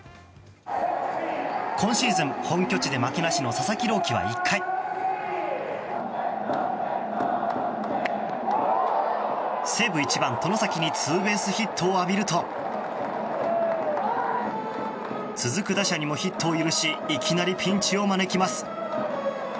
今シーズン、本拠地で負けなしの佐々木朗希は１回西武１番、外崎にツーベースを浴びると続く打者にもヒットを許しいきなりピンチを招きます。